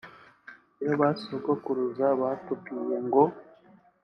iyo basogokuruza batubwiye ngo